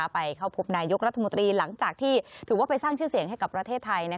ไปเข้าพบนายกรัฐมนตรีหลังจากที่ถือว่าไปสร้างชื่อเสียงให้กับประเทศไทย